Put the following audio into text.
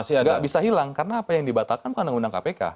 tidak bisa hilang karena apa yang dibatalkan bukan undang undang kpk